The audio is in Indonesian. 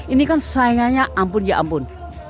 ini kan saingannya ampun ya ampun